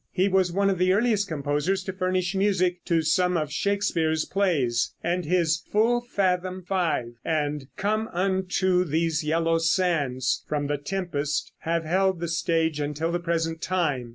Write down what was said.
He was one of the earliest composers to furnish music to some of Shakespeare's plays, and his "Full Fathom Five" and "Come unto These Yellow Sands," from the "Tempest," have held the stage until the present time.